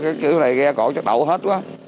cái kiểu này ghe cổ chất độ hết quá